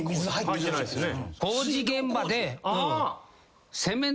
・入ってないですね。